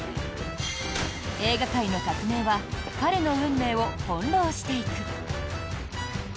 映画界の革命は彼の運命を翻ろうしていく。